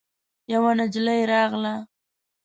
يوه نجلۍ راغله.